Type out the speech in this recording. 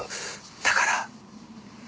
だから。